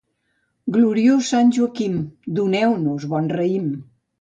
Gloriós sant Joaquim, doneu-nos bon raïm.